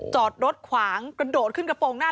จอดรถขวางกระโดดขึ้นกระโปรงหน้า